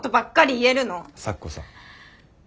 咲子さん。